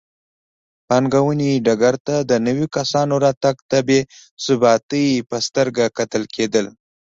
پانګونې ډګر ته د نویو کسانو راتګ ته بې ثباتۍ په سترګه کتل کېدل.